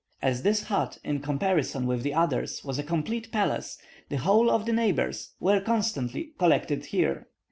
As this hut, in comparison with the others, was a complete palace, the whole of the neighbours were constantly collected here.